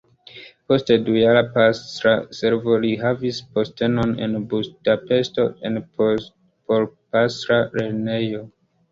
Post dujara pastra servo li havis postenon en Budapeŝto en porpastra lernejo.